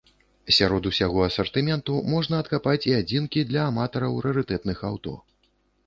Сярод усяго асартыменту можна адкапаць і адзінкі для аматараў рарытэтных аўто.